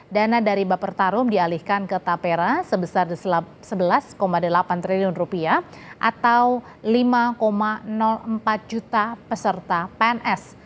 dana dari bapertarum dialihkan ke tapera sebesar sebelas delapan triliun rupiah atau lima empat juta peserta pns